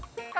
ya udah kang